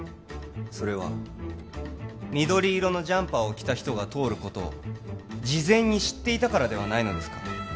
それは緑色のジャンパーを着た人が通ることを事前に知っていたからではないのですか？